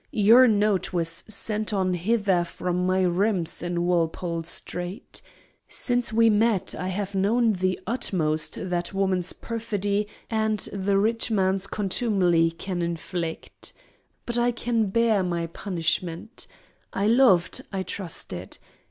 Your note was sent on hither from my rooms in Walpole Street. Since we met I have known the utmost that woman's perfidy and the rich man's contumely can inflict. But I can bear my punishment. I loved, I trusted.